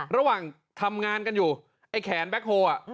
ระหว่างทำงานกันอยู่ไอ้แขนแบ็คโฮล